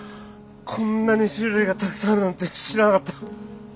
こんなに種類がたくさんあるなんて知らなかった。